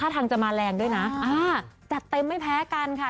ทางจะมาแรงด้วยนะจัดเต็มไม่แพ้กันค่ะ